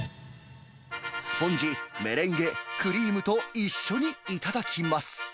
スポンジ、メレンゲ、クリームと、一緒に頂きます。